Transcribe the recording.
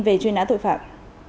về truy nã tội phạm